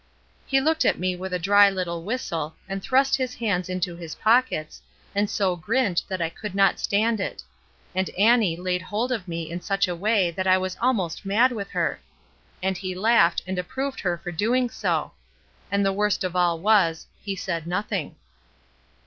He looked at me with a dry little whistle, and thrust his hands into his pockets, and so grinned that I could not stand it. And Annie laid hold of me in such a way that I was almost mad with her. And he laughed, and approved her for doing so. And the worst of all was he said nothing.